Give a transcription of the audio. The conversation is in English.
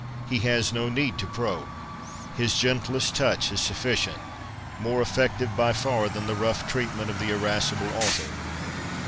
He has no need to probe. His gentlest touch is sufficient, more effective by far than the rough treatment of the irascible author.